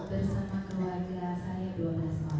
bersama keluarga saya dua belas orang